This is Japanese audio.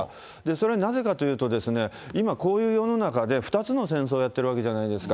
それなぜかというと、今、こういう世の中で、２つの戦争をやってるわけじゃないですか。